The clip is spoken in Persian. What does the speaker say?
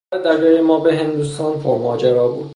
سفر دریایی ما به هندوستان پرماجرا بود.